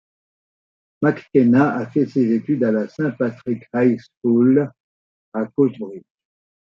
McKenna a fait ses études à la St Patrick's High School à Coatbridge.